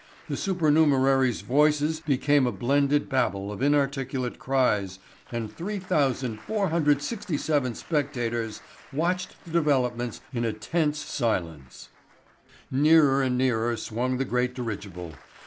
The supernumeraries' voices became a blended babble of inarticulate cries and 3467 spectators watched the developments in a tense silence. Nearer and nearer swung the great dirigible.